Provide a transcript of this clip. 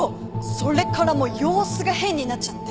それからもう様子が変になっちゃって。